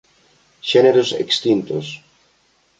Xéneros extintos